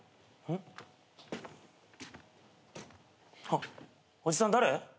あっおじさん誰？